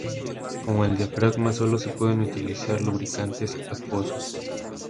Con el diafragma sólo se pueden utilizar lubricantes acuosos.